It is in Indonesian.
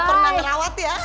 gak pernah merawat ya